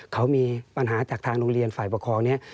เขามีปัญหาจากทางโรงเรียนฝ่ายปกครองนี้